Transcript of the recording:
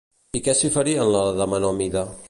I què s'hi faria en la de menor mida?